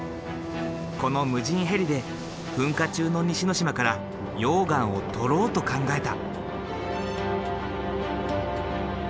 この無人ヘリで噴火中の西之島から溶岩を採ろうと考えた。